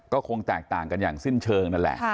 ก็คงแตกต่างกันอย่างสิ้นเชิงนั่นแหละ